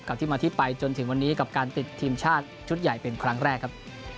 ที่มาที่ไปจนถึงวันนี้กับการติดทีมชาติชุดใหญ่เป็นครั้งแรกครับ